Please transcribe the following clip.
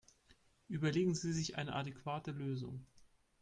Überlegen Sie sich eine adäquate Lösung!